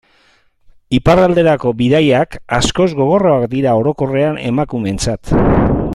Iparralderako bidaiak askoz gogorragoak dira orokorrean emakumeentzat.